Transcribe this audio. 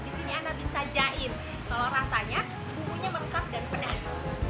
di sini anda bisa jahit kalau rasanya bumbunya meresap dan pedas